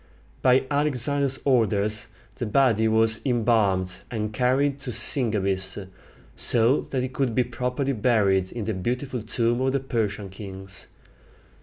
By Alexander's orders the body was embalmed, and carried to Sisygambis, so that it could be properly buried in the beautiful tomb of the Persian kings.